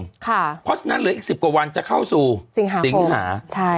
เพราะฉะนั้นเหลืออีก๑๐กว่าวันจะเข้าสู่สิงหา